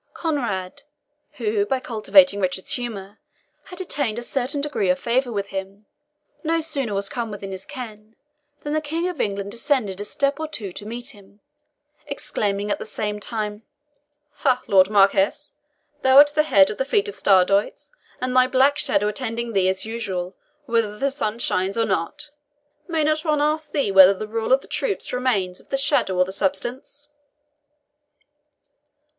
Conrade, who, by cultivating Richard's humour, had attained a certain degree of favour with him, no sooner was come within his ken than the King of England descended a step or two to meet him, exclaiming, at the same time, "Ha, Lord Marquis, thou at the head of the fleet Stradiots, and thy black shadow attending thee as usual, whether the sun shines or not! May not one ask thee whether the rule of the troops remains with the shadow or the substance?"